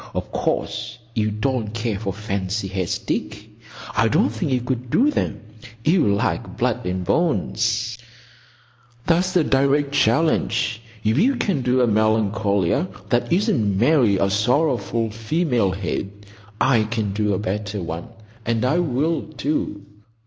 —Of course you don't care for fancy heads, Dick. I don't think you could do them. You like blood and bones." "That's a direct challenge. If you can do a Melancolia that isn't merely a sorrowful female head, I can do a better one; and I will, too.